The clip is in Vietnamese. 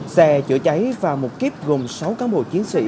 xe chữa cháy và một kiếp gồm sáu cán bộ chiến sĩ